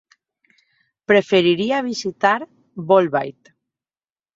Preferiria visitar Bolbait.